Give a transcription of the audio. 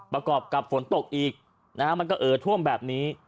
ประกอบกับฝนตกอีกนะฮะมันก็เอ่อท่วมแบบนี้